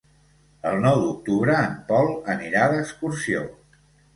El nou d'octubre en Pol anirà d'excursió.